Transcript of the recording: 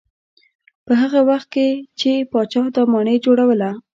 په هغه وخت کې چې پاچا دا ماڼۍ جوړوله.